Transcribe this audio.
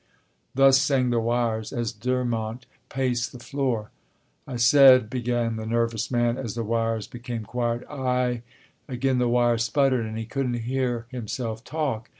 Thus sang the wires as Durmont paced the floor. "I said," began the nervous man as the wires became quiet. "I " again the wire sputtered, and he couldn't hear himself talk.